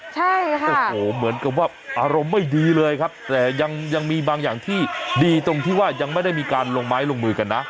ใช่ค่ะโอ้โหเหมือนกับว่าอารมณ์ไม่ดีเลยครับแต่ยังยังมีบางอย่างที่ดีตรงที่ว่ายังไม่ได้มีการลงไม้ลงมือกันนะ